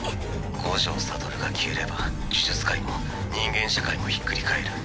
五条悟が消えれば呪術界も人間社会もひっくり返る。